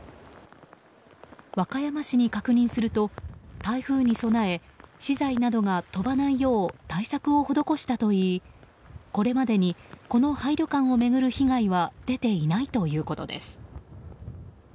和歌山市に確認すると台風に備え資材などが飛ばないよう対策を施したといいこれまでに、この廃旅館を巡る被害は出ていないということです。